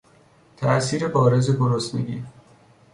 تاءثیر بارز گرسنگی